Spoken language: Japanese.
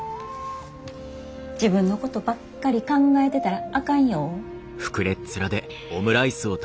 自分のことばっかり考えてたらあかんよ。